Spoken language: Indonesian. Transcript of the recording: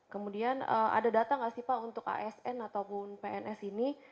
kemudian ada data nggak sih pak untuk asn ataupun pns ini